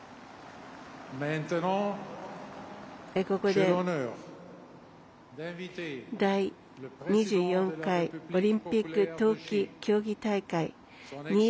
ここで第２４回オリンピック冬季競技大会２０２２